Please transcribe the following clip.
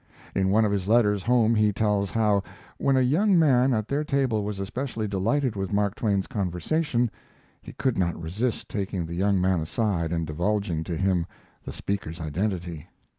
In one of his letters home he tells how; when a young man at their table was especially delighted with Mark Twain's conversation, he could not resist taking the young man aside and divulging to him the speaker's identity.